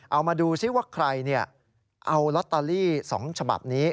เอามาดูซิว่าใครเอาลอตเตอรี่๒ฉบับนี้